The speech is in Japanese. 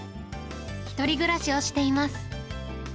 １人暮らしをしています。